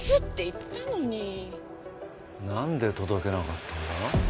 なんで届けなかったんだ？